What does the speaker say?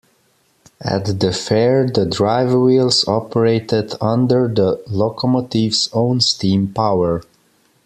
At the Fair the drive wheels operated under the locomotive's own steam power.